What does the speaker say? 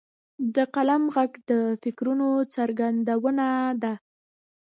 د قلم ږغ د فکرونو څرګندونه ده.